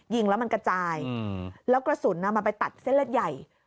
ยิงแล้วมันกระจายแล้วกระสุนมันไปตัดเส้นเลือดใหญ่